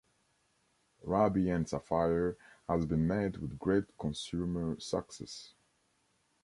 "Ruby and Sapphire" has been met with great consumer success.